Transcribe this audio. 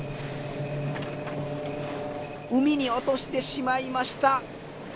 海に落としてしまいました。